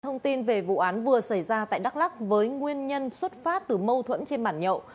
thông tin về vụ án vừa xảy ra tại đắk lắk với nguyên nhân xuất phát từ mâu thuẫn trên bản nhậu